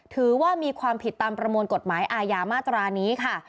ถือว่ามีความผิดตามประมวลกฎหมายอาญามาตรานี้ค่ะ